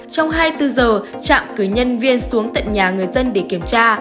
trong hai mươi bốn giờ trạm cử nhân viên xuống tận nhà người dân để kiểm tra